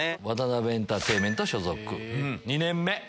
ワタナベエンターテインメント所属２年目。